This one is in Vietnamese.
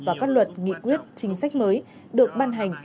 và các luật nghị quyết chính sách mới được ban hành